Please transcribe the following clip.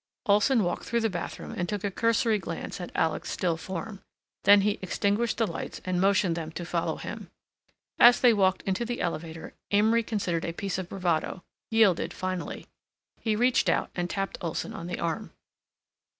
Olson walked through the bathroom and took a cursory glance at Alec's still form. Then he extinguished the lights and motioned them to follow him. As they walked into the elevator Amory considered a piece of bravado—yielded finally. He reached out and tapped Olson on the arm.